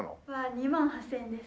２万８０００円です。